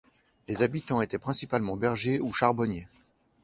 Les habitants étaient principalement bergers ou charbonniers.